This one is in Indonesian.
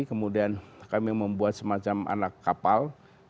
kemudian kami membuat semacam anak kapal